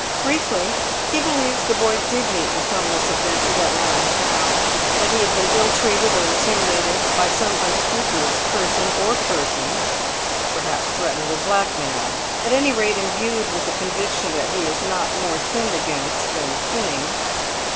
Briefly, he believes the boy did meet with some misadventure that night in town; that he had been ill treated or intimidated by some unscrupulous person or persons; perhaps threatened with blackmail; at any rate imbued with the conviction that he is not more sinned against than sinning.